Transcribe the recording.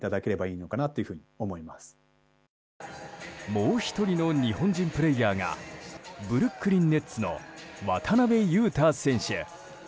もう１人の日本人プレーヤーがブルックリン・ネッツの渡邊雄太選手。